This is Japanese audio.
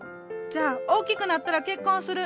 じゃあ大きくなったら結婚する。